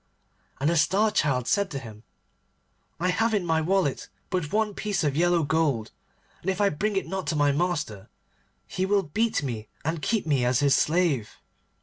And the Star Child said to him, 'I have in my wallet but one piece of yellow gold, and if I bring it not to my master he will beat me and keep me as his slave.